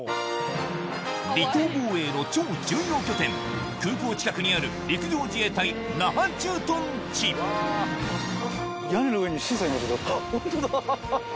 離島防衛の超重要拠点空港近くにある陸上自衛隊那覇駐屯地ホントだ！